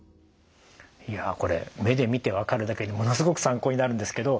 いやこれ目で見て分かるだけにものすごく参考になるんですけど